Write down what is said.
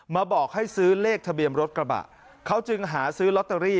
บอกให้ซื้อเลขทะเบียนรถกระบะเขาจึงหาซื้อลอตเตอรี่